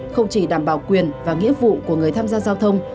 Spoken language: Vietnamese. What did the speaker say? không chỉ đảm bảo quyền và nghĩa vụ của người tham gia giao thông